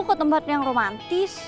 ke tempat yang romantis